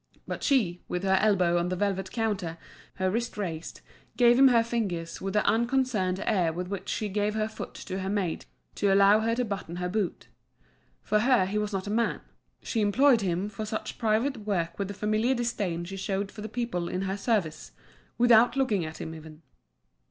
But she, with her elbow on the velvet counter, her wrist raised, gave him her fingers with the unconcerned air with which she gave her foot to her maid to allow her to button her boot. For her he was not a man; she employed him for such private work with the familiar disdain she showed for the people in her service, without looking at him even.